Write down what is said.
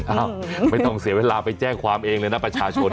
ไม่ต้องเสียเวลาไปแจ้งความเองเลยนะประชาชน